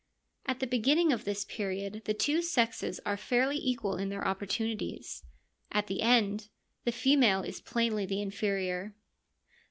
At the beginning of this period the two sexes are fairly equal in their opportunities ; at the end the female is plainly the inferior.